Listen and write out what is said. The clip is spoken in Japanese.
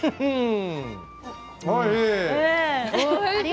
おいしい。